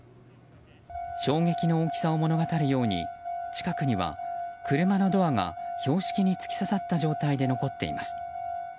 衝撃の大きさを物語るように近くには車のドアが標識に突き刺さった状態で残っています。